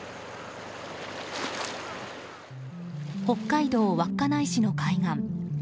北海道稚内市の海岸。